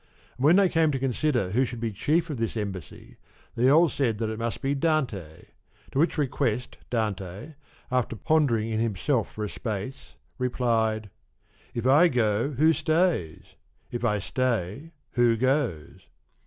And when they came to consider who should be chief of this embassy they all said that it must be Dante ; to which request Dante, after pondering in himself for a space, replied, * If I go, who stays? If I stay, who goes?'